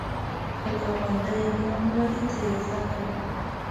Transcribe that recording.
که ګاونډی علم لري، ترې زده کړه